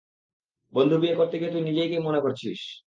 বন্ধু, বিয়ে করতে গিয়ে নিজেকে তুই কি মনে করছিস?